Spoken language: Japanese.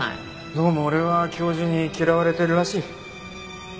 どうも俺は教授に嫌われてるらしい。